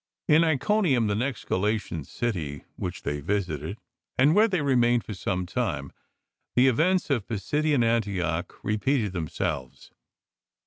In Iconium, the next Galatian city which they visited and where they remained for some time, the events of Pisidian Antioch repeated themselves.